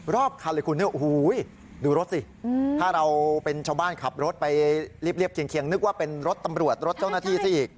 รอบคันเลยคุณดูรถสิถ้าเราเป็นชาวบ้านขับรถไปเรียบเคียงนึกว่าเป็นรถตำรวจรถเจ้าหน้าที่ซะอีก